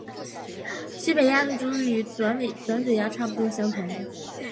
西北鸦的主羽与短嘴鸦差不多相同。